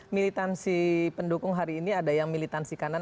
militansi pendukung hari ini ada yang militansi kanan